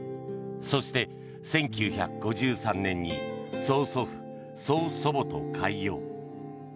そして、１９５３年に曾祖父、曽祖母と開業。